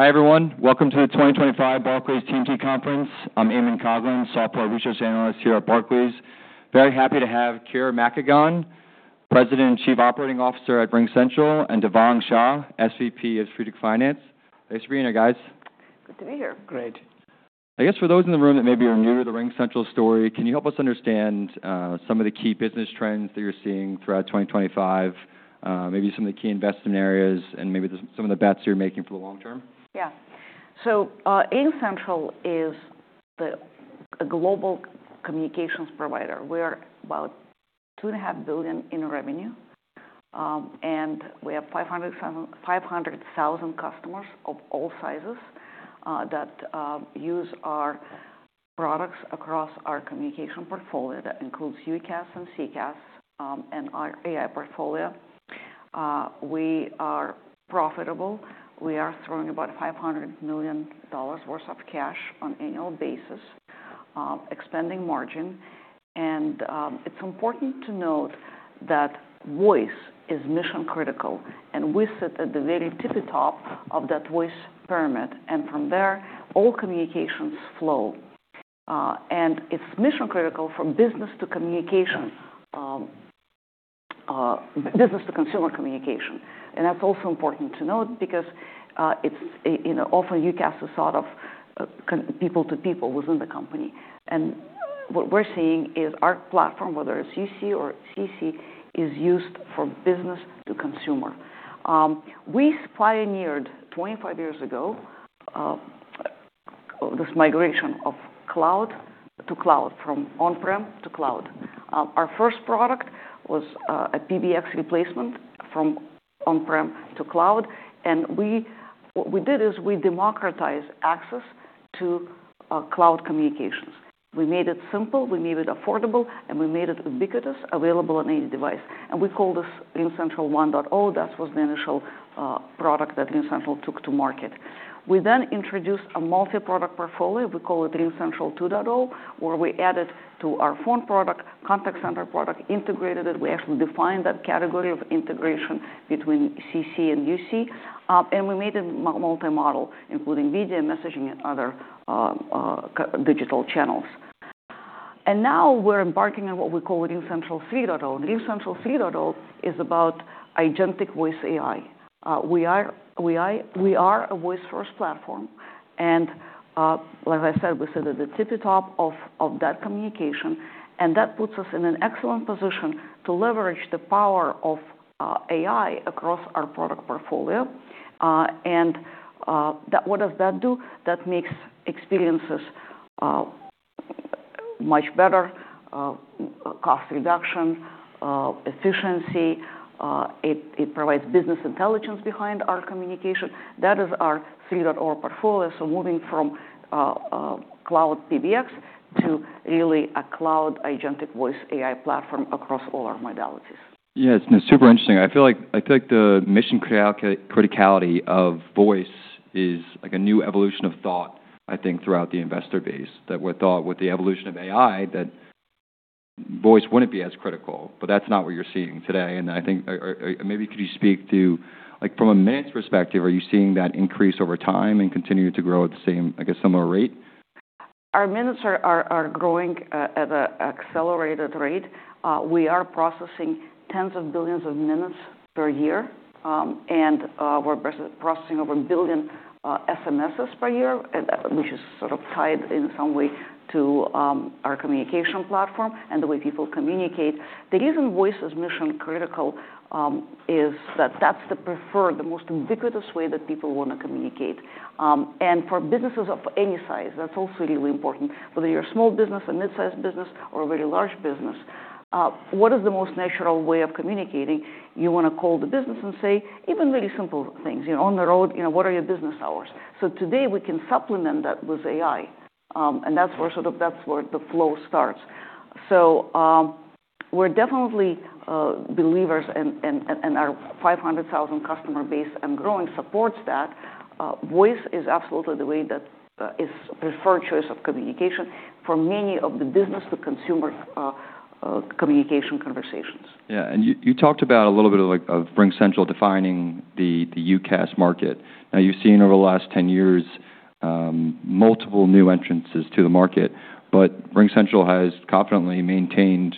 Hi everyone, welcome to the 2025 Barclays TMT Conference. I'm Eamon Coughlin, Software Research Analyst here at Barclays. Very happy to have Kira Makagon, President and Chief Operating Officer at RingCentral, and Devang Shah, SVP of Strategic Finance. Nice to be here, guys. Good to be here. Great. I guess for those in the room that maybe are new to the RingCentral story, can you help us understand some of the key business trends that you're seeing throughout 2025, maybe some of the key investment areas, and maybe some of the bets you're making for the long term? Yeah. So RingCentral is a global communications provider. We are about $2.5 billion in revenue, and we have 500,000 customers of all sizes that use our products across our communication portfolio that includes UCaaS and CCaaS and our AI portfolio. We are profitable. We are throwing about $500 million worth of cash on an annual basis, expanding margin. And it's important to note that voice is mission critical, and we sit at the very tippy top of that voice pyramid. And from there, all communications flow. And it's mission critical for business to communication, business to consumer communication. And that's also important to note because it's often UCaaS is sort of people to people within the company. And what we're seeing is our platform, whether it's UC or CC, is used for business to consumer. We pioneered 25 years ago this migration of cloud to cloud from on-prem to cloud. Our first product was a PBX replacement from on-prem to cloud, and what we did is we democratized access to cloud communications. We made it simple, we made it affordable, and we made it ubiquitous, available on any device, and we call this RingCentral 1.0. That was the initial product that RingCentral took to market. We then introduced a multi-product portfolio. We call it RingCentral 2.0, where we added to our phone product, contact center product, integrated it. We actually defined that category of integration between CC and UC, and we made it multi-modal, including media, messaging, and other digital channels, and now we're embarking on what we call RingCentral 3.0. RingCentral 3.0 is about agentic voice AI. We are a voice-first platform. And like I said, we sit at the tippy top of that communication. And that puts us in an excellent position to leverage the power of AI across our product portfolio. And what does that do? That makes experiences much better, cost reduction, efficiency. It provides business intelligence behind our communication. That is our 3.0 portfolio. So moving from cloud PBX to really a cloud agentic voice AI platform across all our modalities. Yeah, it's super interesting. I feel like the mission criticality of voice is like a new evolution of thought, I think, throughout the investor base. That with the evolution of AI, that voice wouldn't be as critical. But that's not what you're seeing today, and I think maybe could you speak to, from a minutes perspective, are you seeing that increase over time and continue to grow at the same, I guess, similar rate? Our minutes are growing at an accelerated rate. We are processing tens of billions of minutes per year, and we're processing over a billion SMSs per year, which is sort of tied in some way to our communication platform and the way people communicate. The reason voice is mission critical is that that's the preferred, the most ubiquitous way that people want to communicate, and for businesses of any size, that's also really important. Whether you're a small business, a mid-sized business, or a very large business, what is the most natural way of communicating? You want to call the business and say even really simple things. On the road, what are your business hours? so today we can supplement that with AI, and that's where sort of the flow starts, so we're definitely believers in our 500,000 customer base and growing supports that. Voice is absolutely the way that is a preferred choice of communication for many of the business to consumer communication conversations. Yeah. And you talked about a little bit of RingCentral defining the UCaaS market. Now, you've seen over the last 10 years multiple new entrants to the market, but RingCentral has confidently maintained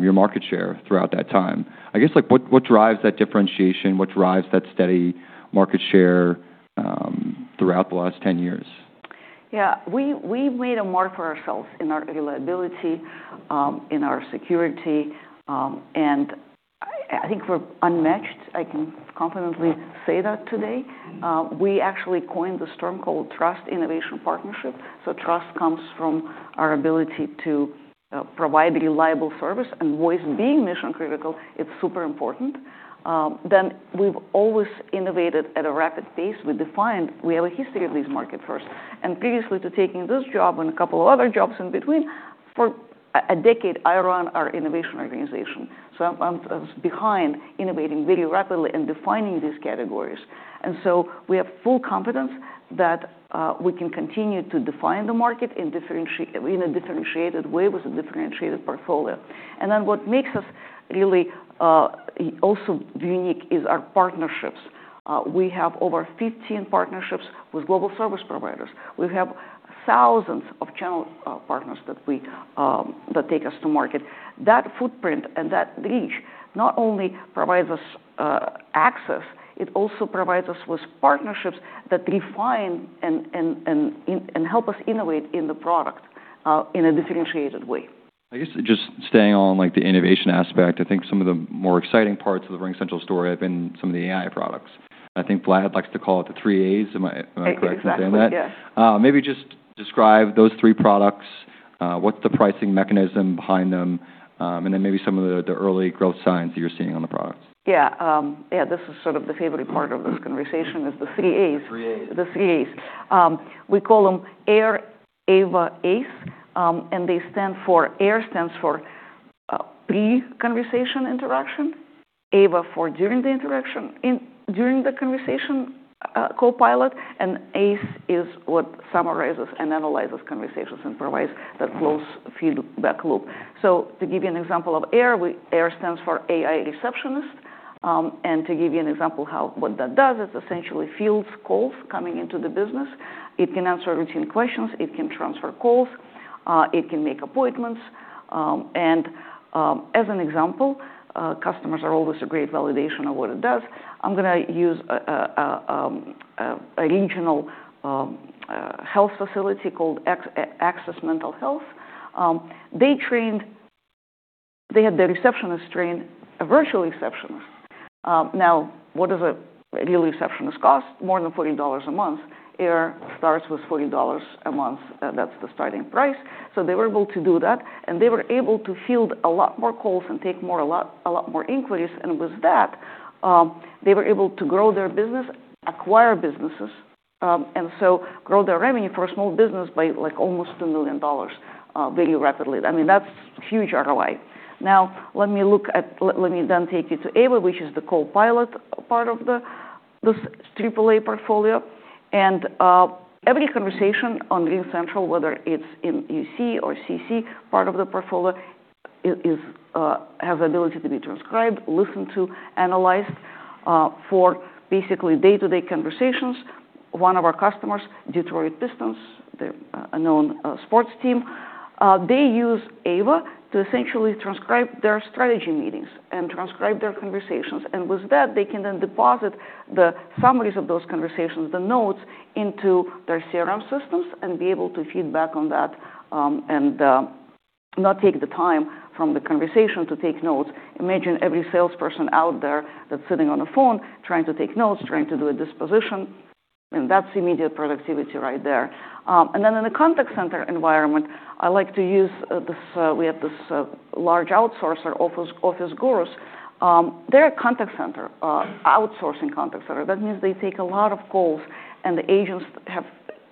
your market share throughout that time. I guess what drives that differentiation? What drives that steady market share throughout the last 10 years? Yeah. We've made a mark for ourselves in our reliability, in our security. I think we're unmatched. I can confidently say that today. We actually coined the Storm-Ready Trust Innovation Partnership. Trust comes from our ability to provide reliable service. Voice being mission critical, it's super important. We've always innovated at a rapid pace. We defined we have a history of these market firsts. Previously to taking this job and a couple of other jobs in between, for a decade I run our innovation organization. I was behind innovating very rapidly and defining these categories. We have full confidence that we can continue to define the market in a differentiated way with a differentiated portfolio. What makes us really also unique is our partnerships. We have over 15 partnerships with global service providers. We have thousands of channel partners that take us to market. That footprint and that reach not only provides us access, it also provides us with partnerships that refine and help us innovate in the product in a differentiated way. I guess just staying on the innovation aspect, I think some of the more exciting parts of the RingCentral story have been some of the AI products. I think Vlad likes to call it the three A's. Am I correct in saying that? Exactly. Yeah. Maybe just describe those three products. What's the pricing mechanism behind them? And then maybe some of the early growth signs that you're seeing on the products. Yeah. Yeah. This is sort of the favorite part of this conversation is the three A's. Three A's. The three A's. We call them Air, Ava, Ace. And they stand for Air stands for pre-conversation interaction, Ava for during the interaction, during the conversation copilot, and Ace is what summarizes and analyzes conversations and provides that close feedback loop. So to give you an example of Air, Air stands for AI receptionist. And to give you an example of what that does, it's essentially fields calls coming into the business. It can answer routine questions. It can transfer calls. It can make appointments. And as an example, customers are always a great validation of what it does. I'm going to use a regional health facility called Access Mental Health. They trained, they had the receptionist train a virtual receptionist. Now, what does a real receptionist cost? More than $40 a month. Air starts with $40 a month. That's the starting price. So they were able to do that. They were able to field a lot more calls and take a lot more inquiries. With that, they were able to grow their business, acquire businesses, and so grow their revenue for a small business by almost $2 million very rapidly. I mean, that's huge ROI. Now, let me look at, let me then take you to Ava, which is the copilot part of this AAA portfolio. Every conversation on RingCentral, whether it's in UC or CC part of the portfolio, has the ability to be transcribed, listened to, analyzed for basically day-to-day conversations. One of our customers, Detroit Pistons, a known sports team, they use Ava to essentially transcribe their strategy meetings and transcribe their conversations. With that, they can then deposit the summaries of those conversations, the notes, into their CRM systems and be able to feed back on that and not take the time from the conversation to take notes. Imagine every salesperson out there that's sitting on a phone trying to take notes, trying to do a disposition. That's immediate productivity right there. Then in the contact center environment, I like to use this. We have this large outsourcer OfficeGurus. They're a contact center outsourcing contact center. That means they take a lot of calls and the agents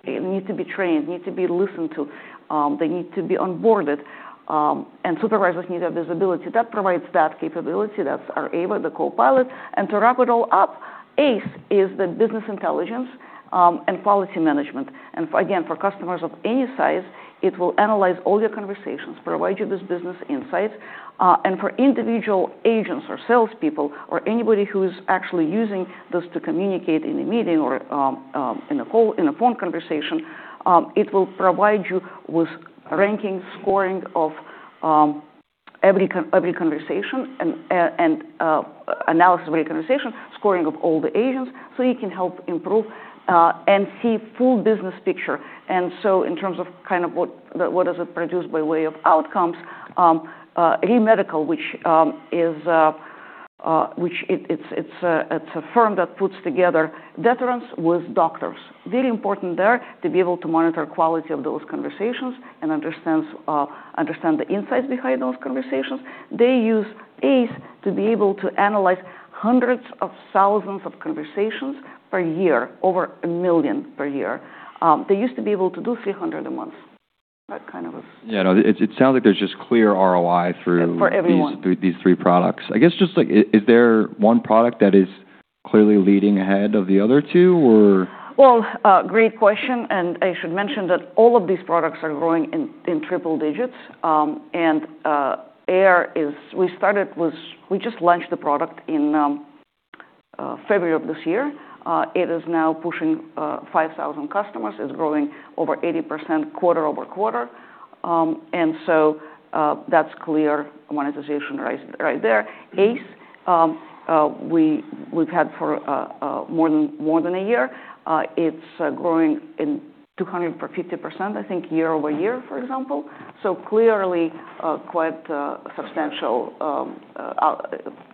need to be trained, need to be listened to, they need to be onboarded, and supervisors need that visibility. That provides that capability. That's our Ava, the copilot. To wrap it all up, Ace is the business intelligence and quality management. And again, for customers of any size, it will analyze all your conversations, provide you with business insights. And for individual agents or salespeople or anybody who is actually using this to communicate in a meeting or in a phone conversation, it will provide you with ranking scoring of every conversation and analysis of every conversation, scoring of all the agents. So you can help improve and see the full business picture. And so in terms of kind of what does it produce by way of outcomes, RingMedical, which it's a firm that puts together veterans with doctors. Very important there to be able to monitor the quality of those conversations and understand the insights behind those conversations. They use Ace to be able to analyze hundreds of thousands of conversations per year, over a million per year. They used to be able to do 300 a month. That kind of is. Yeah. It sounds like there's just clear ROI through these three products. I guess just like, is there one product that is clearly leading ahead of the other two or? Well, great question. And I should mention that all of these products are growing in triple digits. And Air is, we started with, we just launched the product in February of this year. It is now pushing 5,000 customers. It's growing over 80% quarter over quarter. And so that's clear monetization right there. Ace, we've had for more than a year. It's growing in 250%, I think, year over year, for example. So clearly quite a substantial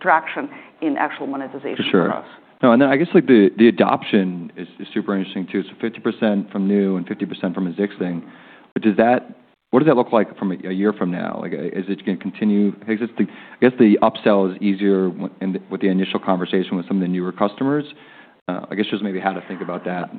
traction in actual monetization for us. For sure. And I guess the adoption is super interesting too. So 50% from new and 50% from existing. But what does that look like from a year from now? Is it going to continue? I guess the upsell is easier with the initial conversation with some of the newer customers. I guess just maybe how to think about that.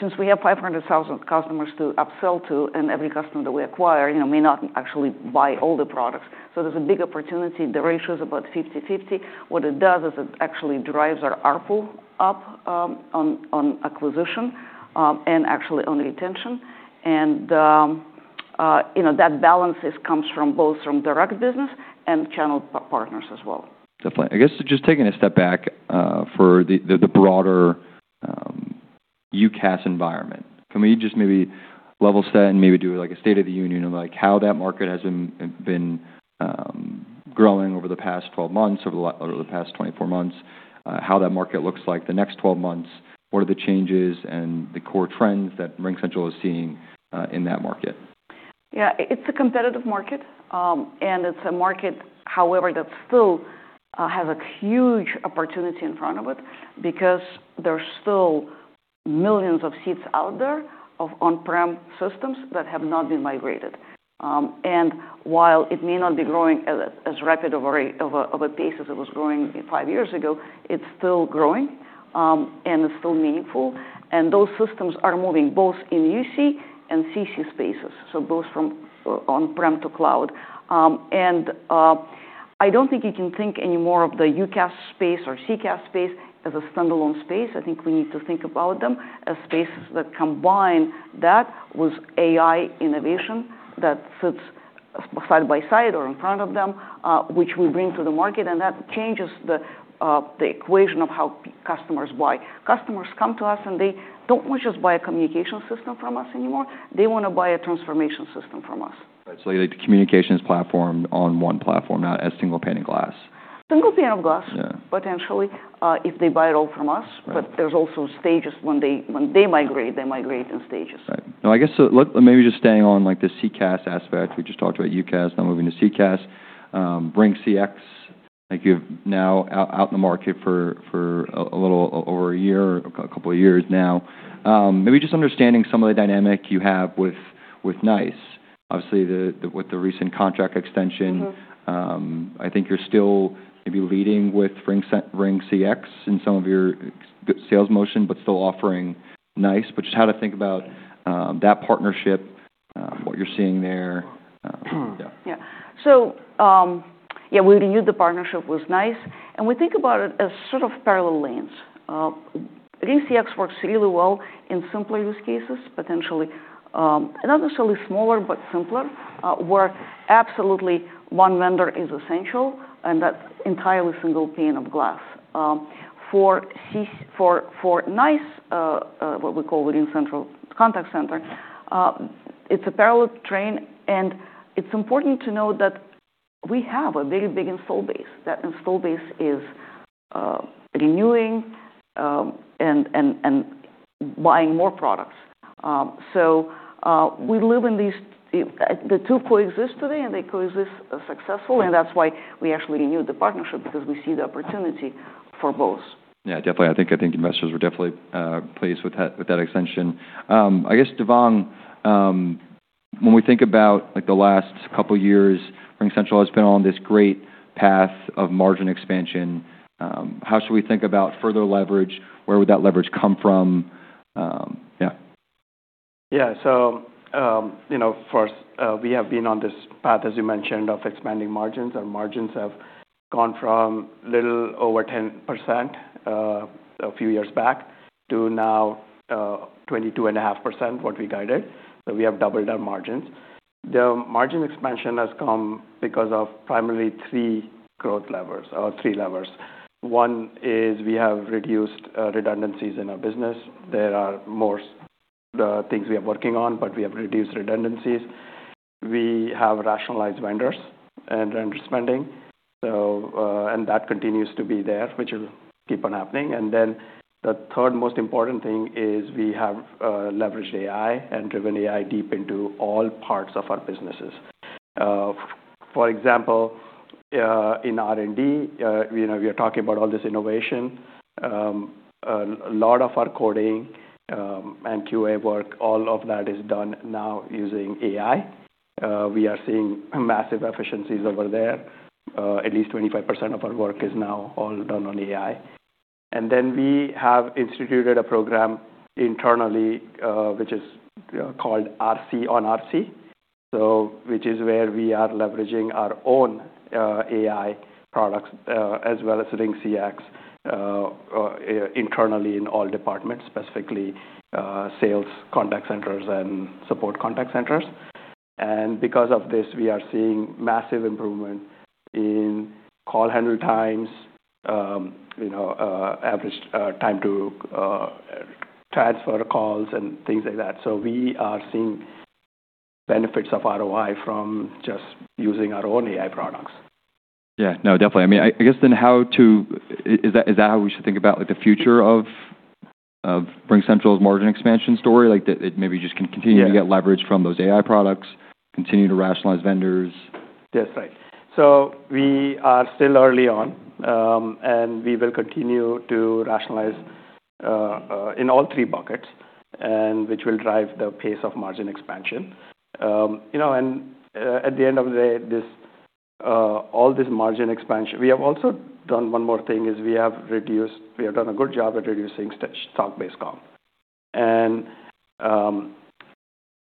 Since we have 500,000 customers to upsell to, and every customer that we acquire may not actually buy all the products. So there's a big opportunity. The ratio is about 50-50. What it does is it actually drives our ARPU up on acquisition and actually on retention. And that balance comes from both direct business and channel partners as well. Definitely. I guess just taking a step back for the broader UCaaS environment, can we just maybe level set and maybe do like a state of the union of how that market has been growing over the past 12 months, over the past 24 months, how that market looks like the next 12 months, what are the changes and the core trends that RingCentral is seeing in that market? Yeah. It's a competitive market, and it's a market, however, that still has a huge opportunity in front of it because there are still millions of seats out there of on-prem systems that have not been migrated, while it may not be growing as rapid of a pace as it was growing five years ago. It's still growing, and it's still meaningful. Those systems are moving both in UCaaS and CCaaS spaces, so both from on-prem to cloud, and I don't think you can think anymore of the UCaaS space or CCaaS space as a standalone space. I think we need to think about them as spaces that combine that with AI innovation that sits side by side or in front of them, which we bring to the market, and that changes the equation of how customers buy. Customers come to us and they don't want to just buy a communication system from us anymore. They want to buy a transformation system from us. Right. So communications platform on one platform, not a single pane of glass. Single pane of glass, potentially, if they buy it all from us. But there's also stages when they migrate. They migrate in stages. Right. No, I guess maybe just staying on the CCaaS aspect. We just talked about UCaaS, now moving to CCaaS, RingCX, you're now out in the market for a little over a year, a couple of years now. Maybe just understanding some of the dynamic you have with NICE. Obviously, with the recent contract extension, I think you're still maybe leading with RingCX in some of your sales motion, but still offering NICE. But just how to think about that partnership, what you're seeing there. Yeah. Yeah, so yeah, we renewed the partnership with NICE, and we think about it as sort of parallel lanes. RingCX works really well in simpler use cases, potentially. Not necessarily smaller, but simpler, where absolutely one vendor is essential and that's entirely single pane of glass. For NICE, what we call the RingCentral contact center, it's a parallel train, and it's important to note that we have a very big installed base. That installed base is renewing and buying more products, so we live in these, the two coexist today and they coexist successfully, and that's why we actually renewed the partnership because we see the opportunity for both. Yeah. Definitely. I think investors were definitely pleased with that extension. I guess, Devang, when we think about the last couple of years, RingCentral has been on this great path of margin expansion. How should we think about further leverage? Where would that leverage come from? Yeah. Yeah. So first, we have been on this path, as you mentioned, of expanding margins. Our margins have gone from a little over 10% a few years back to now 22.5%, what we guided. So we have doubled our margins. The margin expansion has come because of primarily three growth levels, three levers. One is we have reduced redundancies in our business. There are more things we are working on, but we have reduced redundancies. We have rationalized vendors and vendor spending. And that continues to be there, which will keep on happening. And then the third most important thing is we have leveraged AI and driven AI deep into all parts of our businesses. For example, in R&D, we are talking about all this innovation. A lot of our coding and QA work, all of that is done now using AI. We are seeing massive efficiencies over there. At least 25% of our work is now all done on AI, and then we have instituted a program internally, which is called RC on RC, which is where we are leveraging our own AI products as well as RingCX internally in all departments, specifically sales, contact centers, and support contact centers, and because of this, we are seeing massive improvement in call handle times, average time to transfer calls, and things like that, so we are seeing benefits of ROI from just using our own AI products. Yeah. No, definitely. I mean, I guess then how to, is that how we should think about the future of RingCentral's margin expansion story? Like it maybe just can continue to get leverage from those AI products, continue to rationalize vendors. That's right. So we are still early on, and we will continue to rationalize in all three buckets, which will drive the pace of margin expansion. And at the end of the day, all this margin expansion, we have also done one more thing is we have reduced, we have done a good job at reducing stock-based comp. And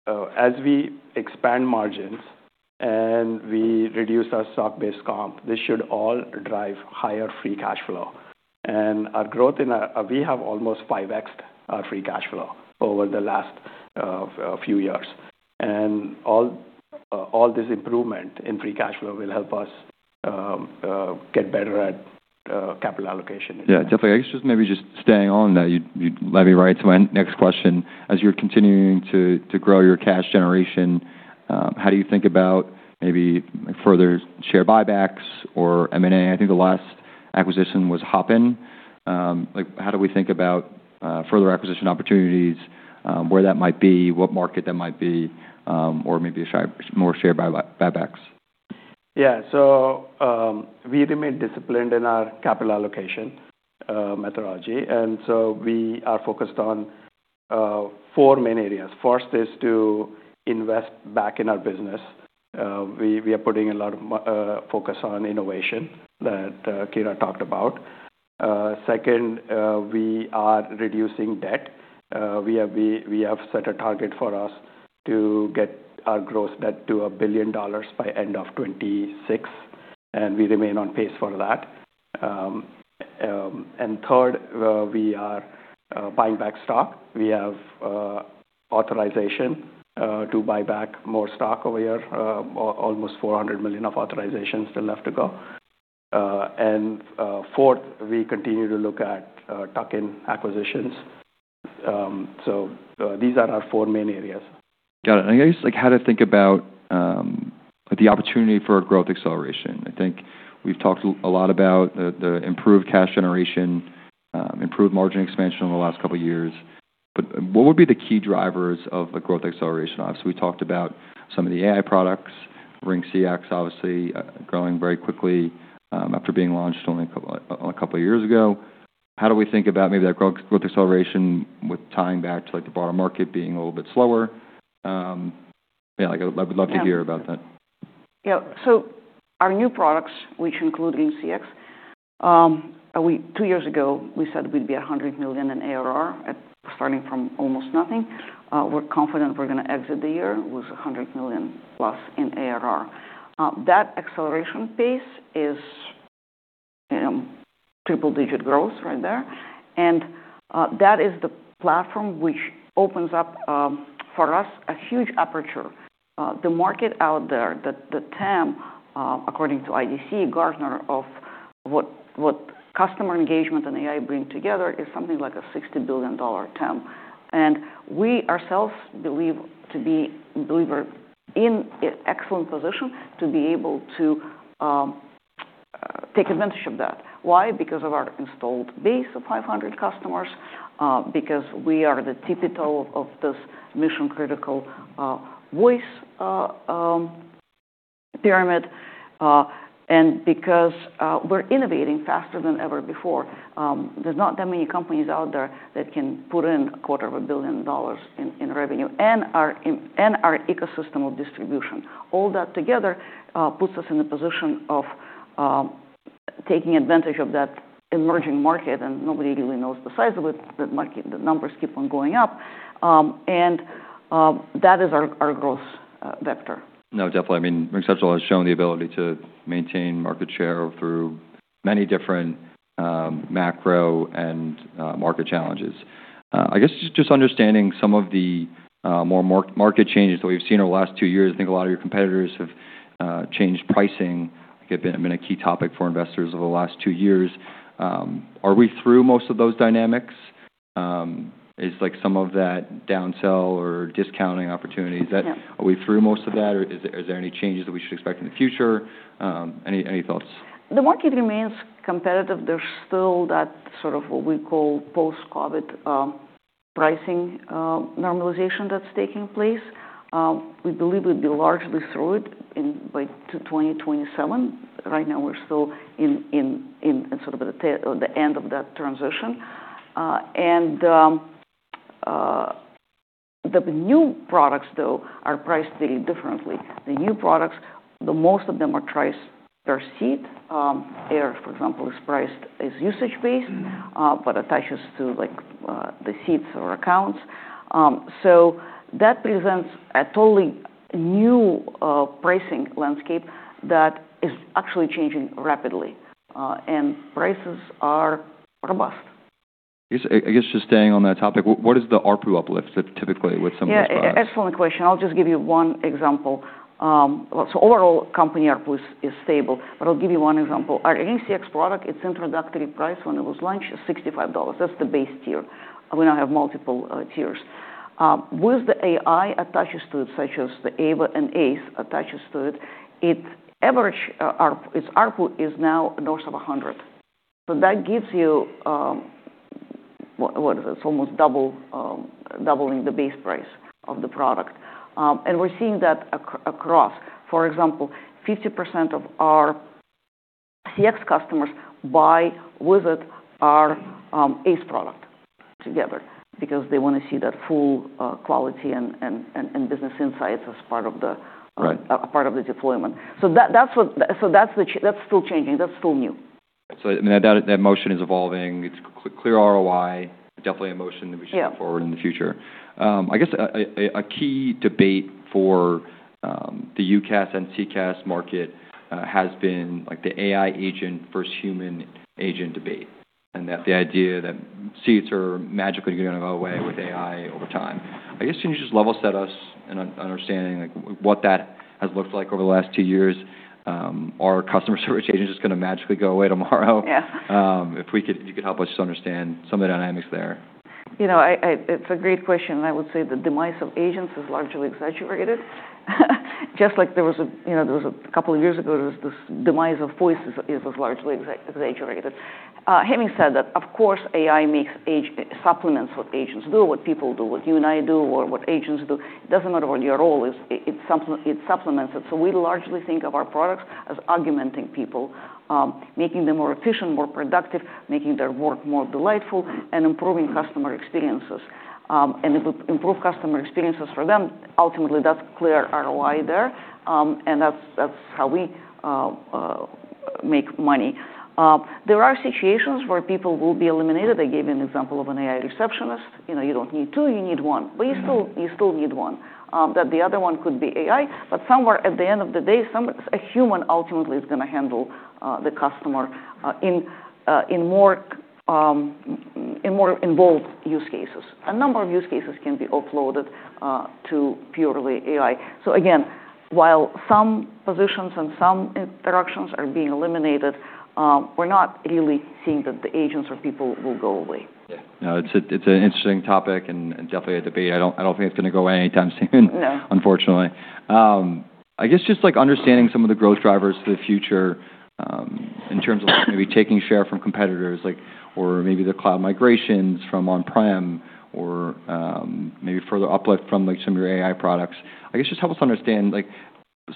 as we expand margins and we reduce our stock-based comp, this should all drive higher free cash flow. And our growth in, we have almost 5x'd our free cash flow over the last few years. And all this improvement in free cash flow will help us get better at capital allocation. Yeah. Definitely. I guess just maybe just staying on that, you'd led me right to my next question. As you're continuing to grow your cash generation, how do you think about maybe further share buybacks or M&A? I think the last acquisition was Hopin. How do we think about further acquisition opportunities, where that might be, what market that might be, or maybe more share buybacks? Yeah. So we remain disciplined in our capital allocation methodology. And so we are focused on four main areas. First is to invest back in our business. We are putting a lot of focus on innovation that Kira talked about. Second, we are reducing debt. We have set a target for us to get our gross debt to $1 billion by end of 2026. And we remain on pace for that. And third, we are buying back stock. We have authorization to buy back more stock over here, almost $400 million of authorizations still left to go. And fourth, we continue to look at tuck-in acquisitions. So these are our four main areas. Got it. And I guess how to think about the opportunity for growth acceleration. I think we've talked a lot about the improved cash generation, improved margin expansion in the last couple of years. But what would be the key drivers of growth acceleration? Obviously, we talked about some of the AI products, RingCX obviously growing very quickly after being launched only a couple of years ago. How do we think about maybe that growth acceleration with tying back to the broader market being a little bit slower? Yeah, I would love to hear about that. Yeah. So our new products, which include RingCX, two years ago we said we'd be 100 million in ARR starting from almost nothing. We're confident we're going to exit the year with 100 million plus in ARR. That acceleration pace is triple-digit growth right there. And that is the platform which opens up for us a huge aperture. The market out there, the TAM, according to IDC, Gartner of what customer engagement and AI bring together is something like a $60 billion TAM. And we ourselves believe to be in an excellent position to be able to take advantage of that. Why? Because of our installed base of 500 customers, because we are the tippy-top of this mission-critical voice pyramid, and because we're innovating faster than ever before. There's not that many companies out there that can put in $250 million in revenue and our ecosystem of distribution. All that together puts us in a position of taking advantage of that emerging market, and nobody really knows the size of it. The numbers keep on going up, and that is our growth vector. No, definitely. I mean, RingCentral has shown the ability to maintain market share through many different macro and market challenges. I guess just understanding some of the more market changes that we've seen over the last two years. I think a lot of your competitors have changed pricing. It's been a key topic for investors over the last two years. Are we through most of those dynamics? Is some of that downsell or discounting opportunities, are we through most of that? Is there any changes that we should expect in the future? Any thoughts? The market remains competitive. There's still that sort of what we call post-COVID pricing normalization that's taking place. We believe we'd be largely through it by 2027. Right now, we're still in sort of the end of that transition. And the new products, though, are priced very differently. The new products, most of them are priced per seat. Air, for example, is priced as usage-based, but attaches to the seats or accounts. So that presents a totally new pricing landscape that is actually changing rapidly. And prices are robust. I guess just staying on that topic, what is the ARPU uplift typically with some of these products? Excellent question. I'll just give you one example. So overall, company ARPU is stable. But I'll give you one example. Our RingCX product, its introductory price when it was launched is $65. That's the base tier. We now have multiple tiers. With the AI attaches to it, such as the AVA and ACE attaches to it, its average ARPU is now north of 100. So that gives you what is it? It's almost doubling the base price of the product. And we're seeing that across. For example, 50% of our CX customers buy with it our ACE product together because they want to see that full quality and business insights as part of the deployment. So that's still changing. That's still new. So that motion is evolving. It's clear ROI. Definitely a motion that we should move forward in the future. I guess a key debate for the UCaaS and CCaaS market has been the AI agent versus human agent debate. And the idea that seats are magically going to go away with AI over time. I guess can you just level set us in understanding what that has looked like over the last two years? Are customer service agents just going to magically go away tomorrow? If you could help us just understand some of the dynamics there. You know, it's a great question. I would say the demise of agents is largely exaggerated. Just like there was a couple of years ago, there was this demise of voices that was largely exaggerated. Having said that, of course, AI supplements what agents do, what people do, what you and I do, or what agents do. It doesn't matter what your role is. It supplements it. So we largely think of our products as augmenting people, making them more efficient, more productive, making their work more delightful, and improving customer experiences. And if we improve customer experiences for them, ultimately, that's clear ROI there. And that's how we make money. There are situations where people will be eliminated. I gave you an example of an AI receptionist. You don't need two. You need one. But you still need one. That the other one could be AI. But somewhere at the end of the day, a human ultimately is going to handle the customer in more involved use cases. A number of use cases can be offloaded to purely AI. So again, while some positions and some interactions are being eliminated, we're not really seeing that the agents or people will go away. Yeah. No, it's an interesting topic and definitely a debate. I don't think it's going to go away anytime soon, unfortunately. I guess just understanding some of the growth drivers for the future in terms of maybe taking share from competitors or maybe the cloud migrations from on-prem or maybe further uplift from some of your AI products. I guess just help us understand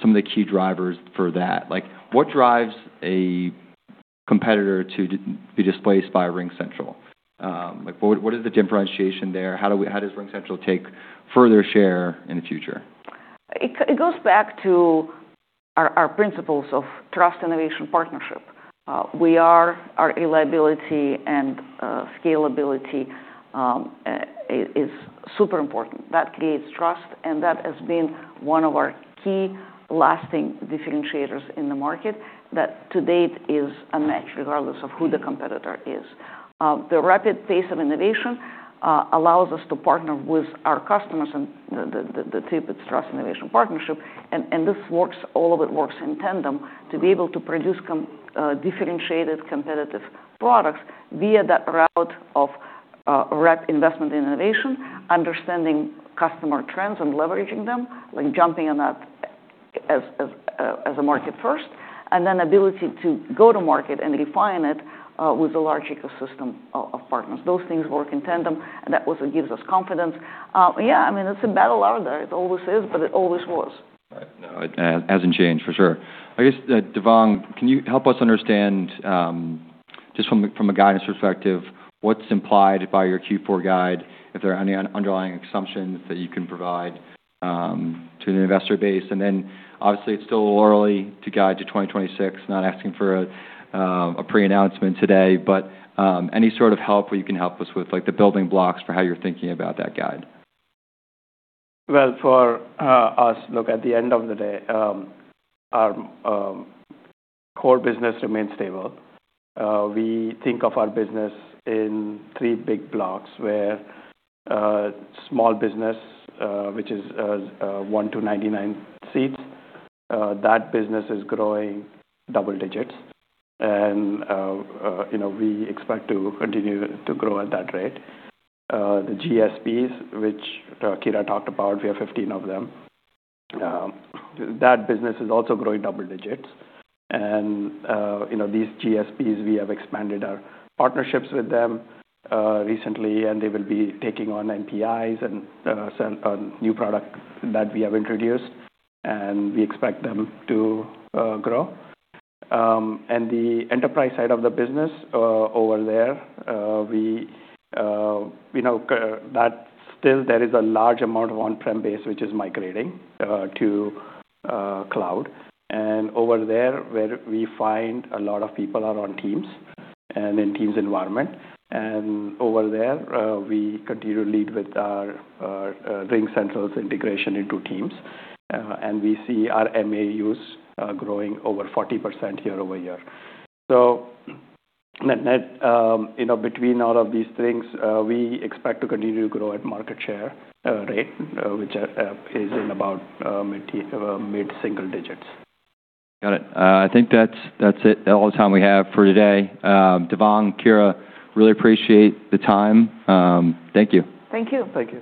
some of the key drivers for that. What drives a competitor to be displaced by RingCentral? What is the differentiation there? How does RingCentral take further share in the future? It goes back to our principles of trust, innovation, partnership. Our reliability and scalability is super important. That creates trust, and that has been one of our key lasting differentiators in the market that to date is unmatched regardless of who the competitor is. The rapid pace of innovation allows us to partner with our customers and the three pillars Trust Innovation Partnership, and this works, all of it works in tandem to be able to produce differentiated competitive products via that route of rapid investment in innovation, understanding customer trends and leveraging them, jumping on that as a market first, and then ability to go to market and refine it with a large ecosystem of partners. Those things work in tandem, and that also gives us confidence. Yeah, I mean, it's a battle out there. It always is, but it always was. Right. No, it hasn't changed for sure. I guess, Devang, can you help us understand just from a guidance perspective what's implied by your Q4 guide? If there are any underlying assumptions that you can provide to the investor base? And then obviously, it's still early to guide to 2026. Not asking for a pre-announcement today, but any sort of help where you can help us with the building blocks for how you're thinking about that guide? For us, look, at the end of the day, our core business remains stable. We think of our business in three big blocks where small business, which is one to 99 seats, that business is growing double digits. We expect to continue to grow at that rate. The GSPs, which Kira talked about, we have 15 of them. That business is also growing double digits. These GSPs, we have expanded our partnerships with them recently, and they will be taking on NPIs and a new product that we have introduced. We expect them to grow. The enterprise side of the business over there, that still there is a large amount of on-prem base, which is migrating to cloud. Over there, where we find a lot of people are on Teams and in Teams environment. And over there, we continue to lead with our RingCentral's integration into Teams. And we see our MAUs growing over 40% year over year. So between all of these things, we expect to continue to grow at market share rate, which is in about mid-single digits. Got it. I think that's all the time we have for today. Devang, Kira, really appreciate the time. Thank you. Thank you. Thank you.